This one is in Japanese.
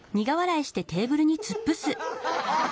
アハハハ。